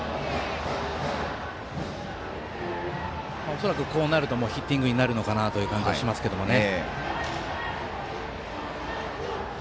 恐らく、こうなるともうヒッティングになるのかなという感じはしますけどね。